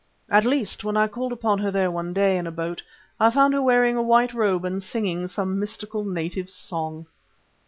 At least when I called upon her there one day, in a boat, I found her wearing a white robe and singing some mystical native song."